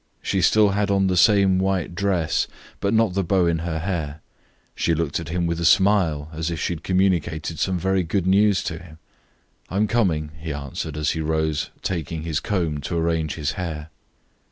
She still had on the same white dress, but not the bow in her hair. She looked at him with a smile, as if she had communicated some very good news to him. "I am coming," he answered, as he rose, taking his comb to arrange his hair.